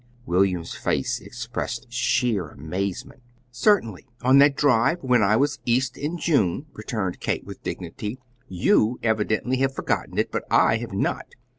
William's face expressed sheer amazement. "Certainly; on that drive when I was East in June," returned Kate, with dignity. "YOU evidently have forgotten it, but I have not.